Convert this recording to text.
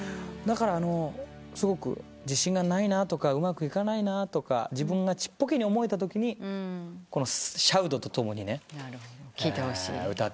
だからすごく自信がないなとかうまくいかないなとか自分がちっぽけに思えたときにこのシャウトとともにね。聴いてほしい？